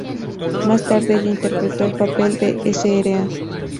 Más tarde ella interpretó el papel de "Sra.